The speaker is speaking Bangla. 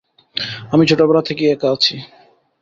আমি ছোট বেলা থেকেই একা আছি।